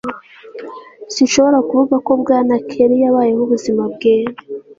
Sinshobora kuvuga ko Bwana Kelly yabayeho ubuzima bwera